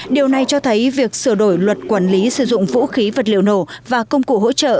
điều này cho thấy việc sửa đổi luật quản lý sử dụng vũ khí vật liệu nổ và công cụ hỗ trợ